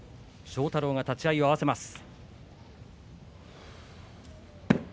庄太郎が立ち合いを合わせます。